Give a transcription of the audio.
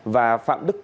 và phạm đức tuấn